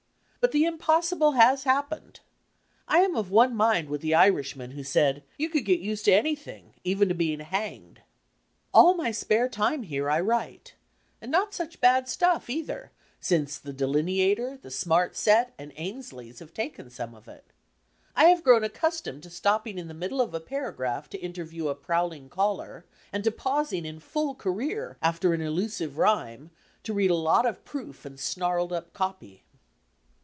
But the impossible has happened. I am of one mind with die Irishman who said you could get used to anything, even to being hanged! All my spare ume here I write, and not such bad stuff either, since the Delineator, the Smart Set and Ainslies' have taken some of it. I have grown accustomed to snapping in the middle of a paragraph to interview a prowling caller, and to pausing in full career after an elusive rhyme, to read a lot of proof, and snarled up copy.